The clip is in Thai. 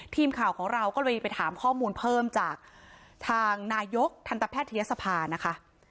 ทีมข่าวของเราก็เลยไปถามข้อมูลเพิ่มจากทางนายกทันตแพทยศภานะคะ